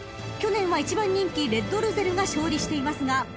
［去年は１番人気レッドルゼルが勝利していますが］